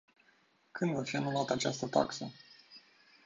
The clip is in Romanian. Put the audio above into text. Când va fi anulată această taxă?